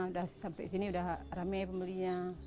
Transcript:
udah sampai sini udah rame pembelinya